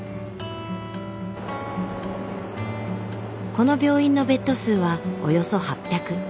この病院のベッド数はおよそ８００。